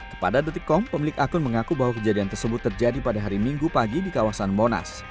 kepada detikkom pemilik akun mengaku bahwa kejadian tersebut terjadi pada hari minggu pagi di kawasan monas